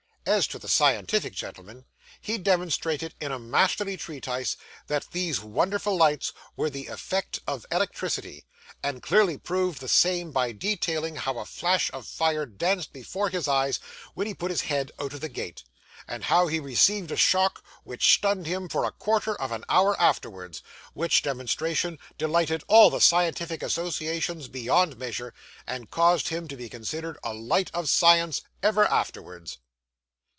As to the scientific gentleman, he demonstrated, in a masterly treatise, that these wonderful lights were the effect of electricity; and clearly proved the same by detailing how a flash of fire danced before his eyes when he put his head out of the gate, and how he received a shock which stunned him for a quarter of an hour afterwards; which demonstration delighted all the scientific associations beyond measure, and caused him to be considered a light of science ever afterwards.